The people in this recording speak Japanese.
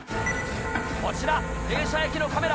こちら停車駅のカメラ。